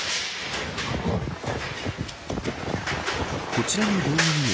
こちらの動画にも